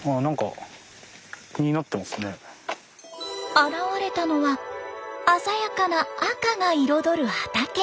現れたのは鮮やかな赤が彩る畑。